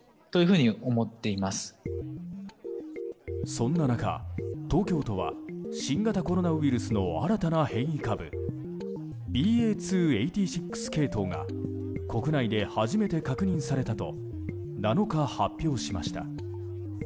そんな中、東京都は新型コロナウイルスの新たな変異株ＢＡ．２．８６系統が国内で初めて確認されたと７日、発表しました。